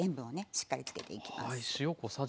しっかりつけていきます。